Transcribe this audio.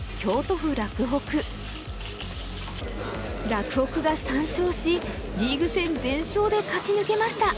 洛北が３勝しリーグ戦全勝で勝ち抜けました。